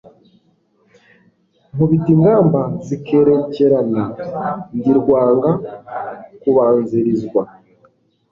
Nkubita ingamba zikerekerana. Ndi rwanga kubanzilizwa